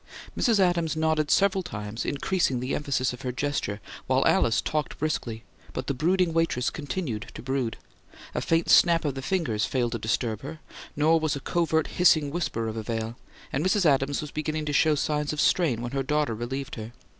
Mrs. Adams nodded several times, increasing the emphasis of her gesture, while Alice talked briskly; but the brooding waitress continued to brood. A faint snap of the fingers failed to disturb her; nor was a covert hissing whisper of avail, and Mrs. Adams was beginning to show signs of strain when her daughter relieved her.